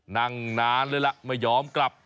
นั่งนานเลยล่ะไม่ยอมกลับ